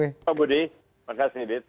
terima kasih budi terima kasih edith